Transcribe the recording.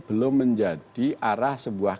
belum menjadi arah sebuah